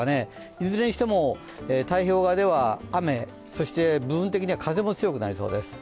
いずれにしても太平洋側では雨そして部分的には風も強くなりそうです。